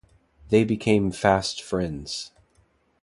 They became fast friends.